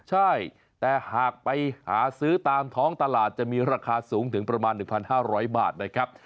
ใช่แต่หากไปหาซื้อตามท้องตลาดจะมีราคาสูงถึงประมาณ๑๕๐๐บาทนะครับ